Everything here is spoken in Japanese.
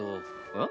えっ？